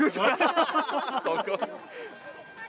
そこ？